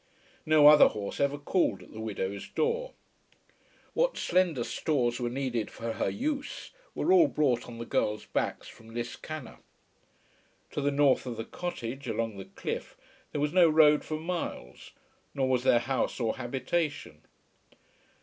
No other horse ever called at the widow's door. What slender stores were needed for her use, were all brought on the girls' backs from Liscannor. To the north of the cottage, along the cliff, there was no road for miles, nor was there house or habitation.